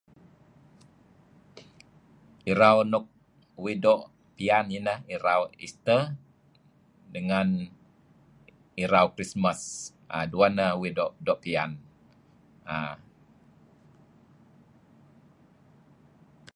Irau nuk uih doo' piyan inah irau Easter dengan irau Christmas. {er] diweh ineh uih doo' piyan.